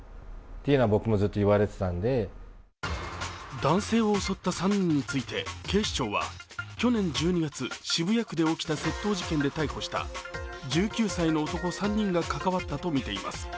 男性を襲った３人について警視庁は去年１２月、渋谷区で起きた窃盗事件で逮捕した１９歳の男３人が関わったとみています。